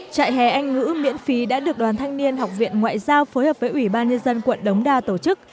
trại hè anh ngữ miễn phí đã được đoàn thanh niên học viện ngoại giao phối hợp với ủy ban nhân dân quận đống đa tổ chức